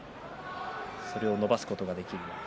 それを伸ばすことができるか。